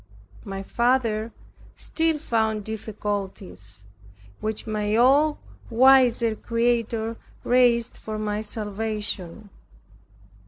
My father still found difficulties, which my all wise Creator raised for my salvation.